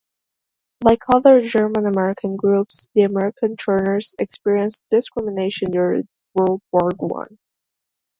Like other German-American groups, the American Turners experienced discrimination during World War One.